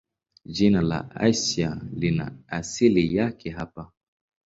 Jina la Asia lina asili yake hapa.